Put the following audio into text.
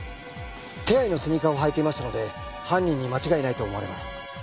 手配のスニーカーを履いていましたので犯人に間違いないと思われます。